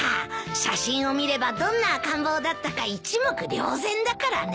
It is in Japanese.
写真を見ればどんな赤ん坊だったか一目瞭然だからね。